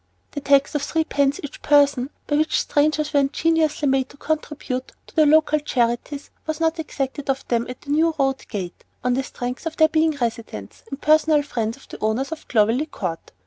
The tax of threepence each person, by which strangers are ingeniously made to contribute to the "local charities," was not exacted of them at the New Road Gate, on the strength of their being residents, and personal friends of the owners of Clovelly Court.